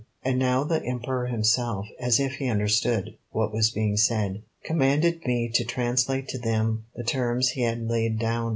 And now the Emperor himself, as if he understood what was being said, commanded me to translate to them the terms he had laid down.